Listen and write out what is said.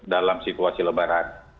dalam situasi lebaran